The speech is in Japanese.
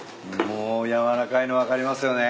もう軟らかいの分かりますよね。